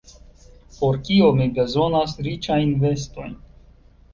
Por kio mi bezonas riĉajn vestojn?